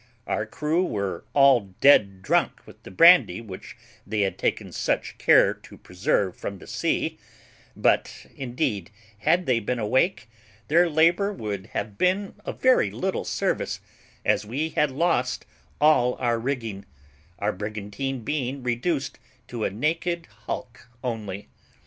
Our crew were all dead drunk with the brandy which they had taken such care to preserve from the sea; but, indeed, had they been awake, their labour would have been of very little service, as we had lost all our rigging, our brigantine being reduced to a naked hulk only.